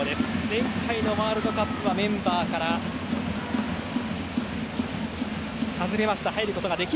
前回のワールドカップはメンバーから外れました。